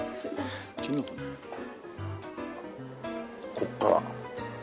ここから。